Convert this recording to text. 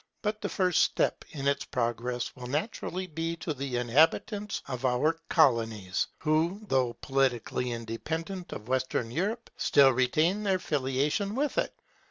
But the first step in its progress will naturally be to the inhabitants of our colonies, who, though politically independent of Western Europe, still retain their filiation with it.